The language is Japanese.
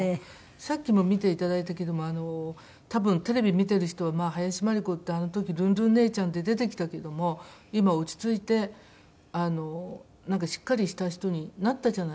さっきも見ていただいたけども多分テレビ見てる人は林真理子ってあの時『ルンルン』姉ちゃんで出てきたけども今落ち着いてあのなんかしっかりした人になったじゃない。